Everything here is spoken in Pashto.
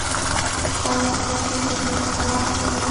ایا ستاسو ذهن خلاق نه دی؟